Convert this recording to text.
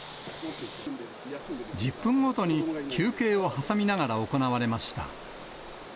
１０分ごとに休憩を挟みながら行われました。